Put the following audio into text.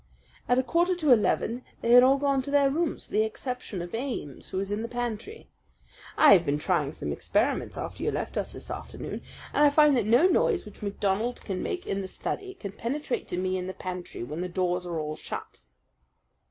At a quarter to eleven they had all gone to their rooms with the exception of Ames, who was in the pantry. I have been trying some experiments after you left us this afternoon, and I find that no noise which MacDonald can make in the study can penetrate to me in the pantry when the doors are all shut.